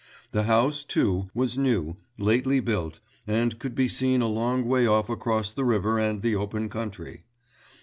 The house, too, was new, lately built, and could be seen a long way off across the river and the open country.